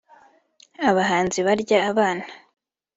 Abahanzi barya abana